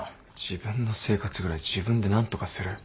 自分の生活ぐらい自分で何とかする。